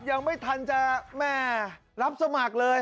ยังไม่ทันจะแม่รับสมัครเลย